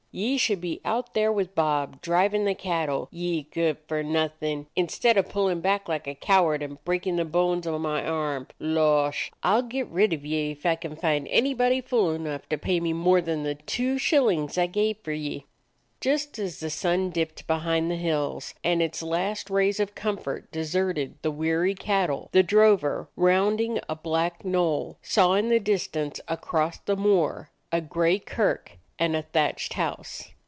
"Ye should be out there with Bob, driving the cattle, ye good for nothing, instead of pull ing back like a coward and breakin' the bones o' my arm. Losh! I'll get rid of ye if I can find anybody fool enough to pay me jnore than the two shillin's I gave for ye." Just as the sun dipped behind the hills and its last rays of comfort deserted the weary cattle, the drover, rounding a black knoll, saw in the distance across the moor a gray kirk and a thatched house.